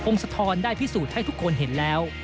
สะทอนได้พิสูจน์ให้ทุกคนเห็นแล้ว